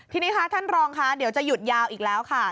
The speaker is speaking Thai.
ทีนี้ค่ะท่านรองค่ะเดี๋ยวจะหยุดยาวอีกแล้วค่ะ